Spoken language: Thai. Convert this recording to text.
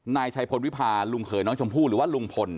นายชัยพลวิพาลุงเขยน้องชมพู่หรือว่าลุงพล